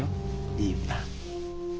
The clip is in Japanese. いいよな。